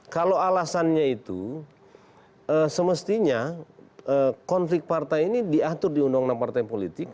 kalau alasannya itu semestinya konflik partai ini diatur di undang undang partai politik